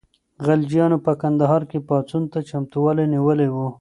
غلجیانو په کندهار کې پاڅون ته چمتووالی نیولی و.